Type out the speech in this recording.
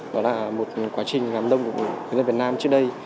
đó là một quá trình làm đông của người dân việt nam trước đây